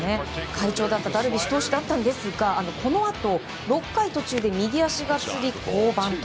快調だったダルビッシュ投手でしたがこのあと６回途中で右足がつり、降板と。